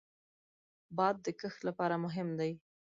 باد د کښت لپاره مهم دی